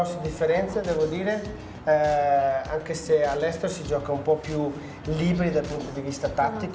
jika kita melakukan permainan di luar negara kita bisa melakukan permainan yang lebih bebas dari segi taktik